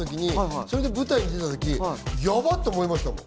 それで舞台に出たときヤバって思いましたもん。